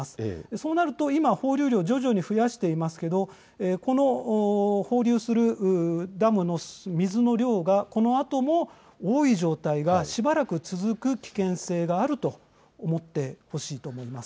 そうなると、今は放流量徐々に増やしていますけれどこの放流するダムの水の量がこのあとも多い状態がしばらく続く危険性があると思ってほしいと思います。